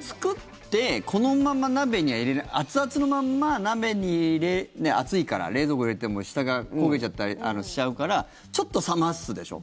作ってこのまま鍋には入れない熱々のまま鍋に熱いから冷蔵庫入れても下が焦げちゃったりしちゃうからちょっと冷ますでしょ？